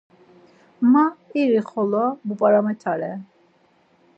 Ma iri-xolo bup̌aramitare.